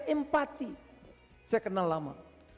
empati saya kenal lama